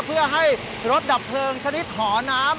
เพื่อให้รถดับเพลิงชนิดหอน้ำ